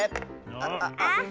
あっあっ。